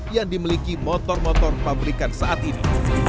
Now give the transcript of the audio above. yang dimiliki motor motor pabrikan saat ini